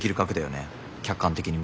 客観的に見ても。